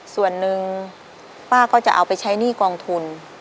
ส่วนหนึ่งป้าก็จะเอาไปใช้หนี้กองทุน